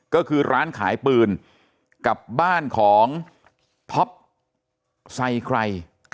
ก็คือร้านขายปืนกับบ้านของท็อปไซไคร